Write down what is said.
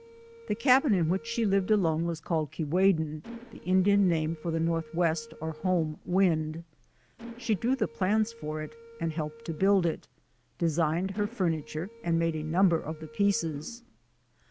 The cabin in which she lived alone was called " Keewaydin," the Indian name for the North west or home wind. She drew the plans for it and helped to build it; designed her furniture and made a number of the pieces.